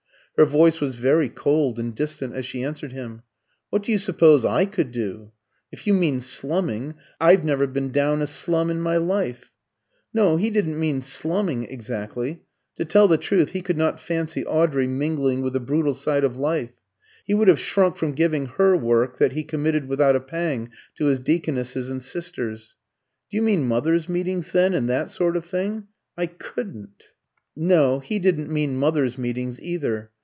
Her voice was very cold and distant as she answered him. "What do you suppose I could do? If you mean slumming, I've never been down a slum in my life." No, he didn't mean slumming exactly. To tell the truth, he could not fancy Audrey mingling with the brutal side of life. He would have shrunk from giving her work that he committed without a pang to his deaconesses and sisters. "Do you mean mothers' meetings then, and that sort of thing? I couldn't." No, he didn't mean mothers' meetings either.